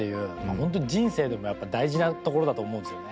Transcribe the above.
本当に人生でもやっぱ大事なところだと思うんですよね。